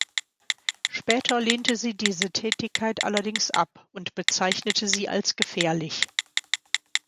Später lehnte sie diese Tätigkeit allerdings ab und bezeichnete sie als gefährlich.